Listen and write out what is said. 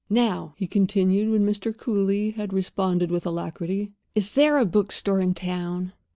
"Now," he continued, when Mr. Cooly had responded with alacrity, "is there a bookstore in town?"